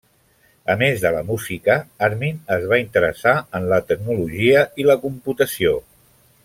A més de la música, Armin es va interessar en la tecnologia i la computació.